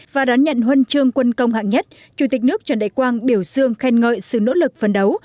và đón nhận huân chương quân công hạng nhất chủ tịch nước trần đại quang biểu dương khen ngợi sự nỗ lực phấn đấu